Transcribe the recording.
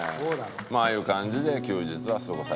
まあああいう感じで休日は過ごされてる。